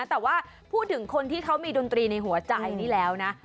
แต่ว่าพูดถึงคนที่เขามีดนตรีในหัวใจนี่แล้วนะ